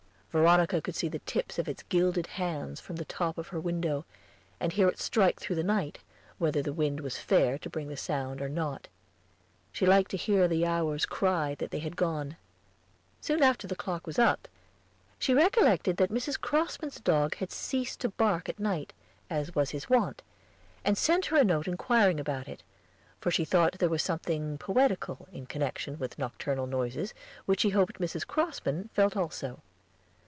Veronica could see the tips of its gilded hands from the top of her window, and hear it strike through the night, whether the wind was fair to bring the sound or not. She liked to hear the hours cry that they had gone. Soon after the clock was up, she recollected that Mrs. Crossman's dog had ceased to bark at night, as was his wont, and sent her a note inquiring about it, for she thought there was something poetical in connection with nocturnal noises, which she hoped Mrs. Crossman felt also.